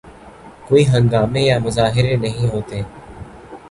کوئی ہنگامے یا مظاہرے نہیں ہوئے۔